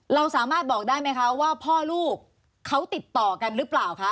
เราสามารถบอกได้ไหมคะว่าพ่อลูกเขาติดต่อกันหรือเปล่าคะ